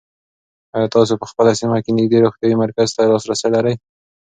آیا تاسو په خپله سیمه کې نږدې روغتیایي مرکز ته لاسرسی لرئ؟